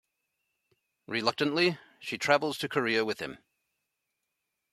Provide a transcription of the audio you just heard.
Reluctantly, she travels to Korea with him.